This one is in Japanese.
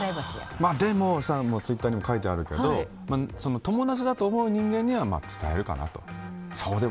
でもツイッターにも書いてあるけど友達だと思う人間には伝えるかな。